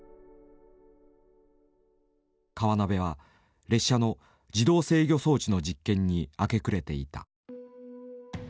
河辺は列車の自動制御装置の実験に明け暮れていた。